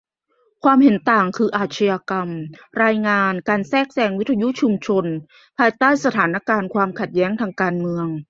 'ความเห็นต่าง' คือ อาชญากรรม : รายงานการแทรกแซงวิทยุชุมชนภายใต้สถานการณ์ความขัดแย้งทางการเมือง